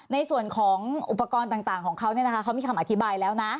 ในส่วนของอุปกรณ์ต่างของเขาเขามีคำอธิบายแล้วนะ